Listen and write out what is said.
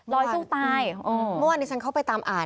สู้ตายเมื่อวานนี้ฉันเข้าไปตามอ่าน